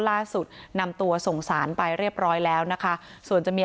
ล่าสุดนำตัวส่งสารไปเรียบร้อยแล้วนะคะส่วนจะมี